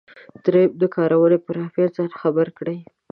دریم د کارونې پر اهمیت ځان خبر کړئ.